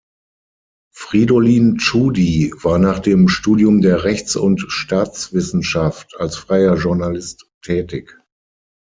Fridolin Tschudi war nach dem Studium der Rechts- und Staatswissenschaft als freier Journalist tätig.